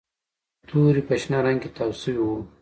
توري په شنه رنګ کې تاو شوي وو